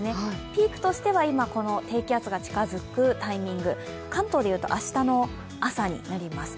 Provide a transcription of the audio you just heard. ピークとしては低気圧が近づくタイミング、関東でいうと明日の朝になります。